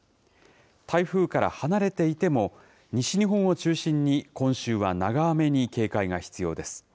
台風から離れていても、西日本を中心に今週は長雨に警戒が必要です。